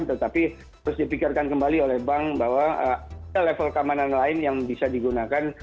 tetapi harus dipikirkan kembali oleh bank bahwa ada level keamanan lain yang bisa digunakan